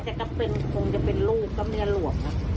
แต่ก็คงเป็นลูกก็มีแล้วลุก